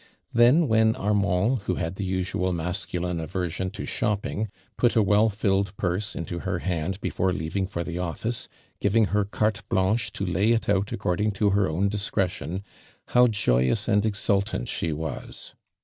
Then when Armand, who had the usual mascu line aversion to shopping, put a well filled purse into her hand before leaving for the office, giving her carte blanche to lay it out iiccording to her own discretion, how Joyous and exultant she was.